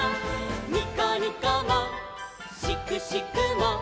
「にこにこもしくしくも」